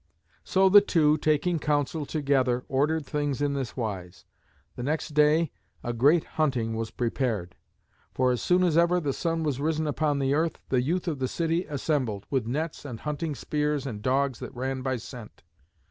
So the two, taking counsel together, ordered things in this wise. The next day a great hunting was prepared. For as soon as ever the sun was risen upon the earth, the youth of the city assembled, with nets and hunting spears and dogs that ran by scent.